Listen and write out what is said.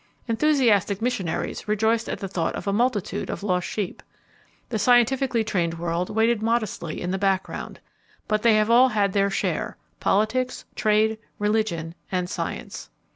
Enthusiastic missionaries rejoiced at the thought of a multitude of lost sheep. The scientifically trained world waited modestly in the background. But they have all had their share: politics, trade, religion, and science.